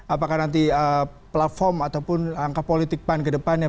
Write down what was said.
apakah nanti platform ataupun angka politik pan ke depannya